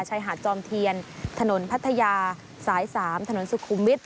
ชายหาดจอมเทียนถนนพัทยาสาย๓ถนนสุขุมวิทย